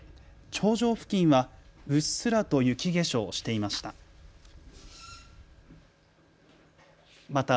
頂上付近はうっすらと雪化粧していました。